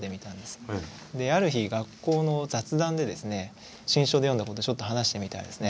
である日学校の雑談でですね新書で読んだことをちょっと話してみたらですね